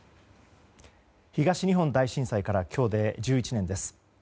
東日本大震災から今日で１１年です。